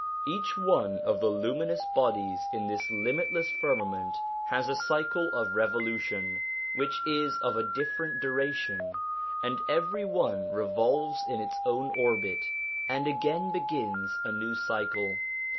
Each one of the luminous bodies in this limitless firmament has a cycle of revolution which is of a different duration, and every one revolves in its own orbit, and again begins a new cycle.